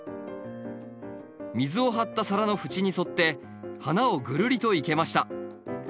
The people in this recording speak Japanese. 水を張った皿の縁に沿って花をぐるりと生けました。